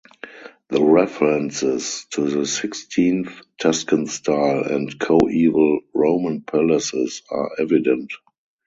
The references to sixteenth Tuscan style and coeval roman palaces are evident.